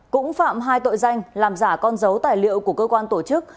cũng phạm hai tội danh làm giả con dấu tài liệu của cơ quan tổ chức